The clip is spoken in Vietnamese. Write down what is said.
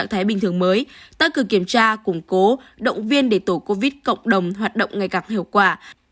tất cử kiểm tra củng cố động viên để tổ covid cộng đồng hoạt động ngày càng hiệu quả